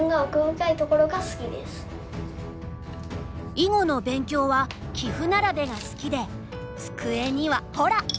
囲碁の勉強は棋譜並べが好きで机にはほら！